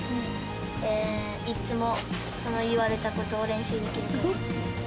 いつもその言われたことを練習できるから。